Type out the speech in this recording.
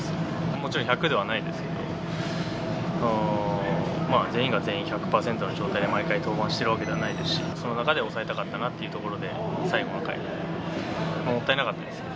もちろん１００ではないですけど、全員が全員１００％の状態で毎回登板しているわけではないですし、その中で抑えたかったなというところで、最後の回はもったいなかったですね。